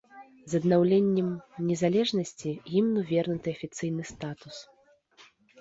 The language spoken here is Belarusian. З аднаўленнем незалежнасці гімну вернуты афіцыйны статус.